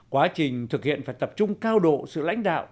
quá trình thực hiện phải tập trung cao độ sự lãnh đạo